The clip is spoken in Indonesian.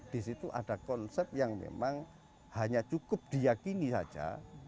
disitu ada konsep yang memang hanya cukup diyakini saja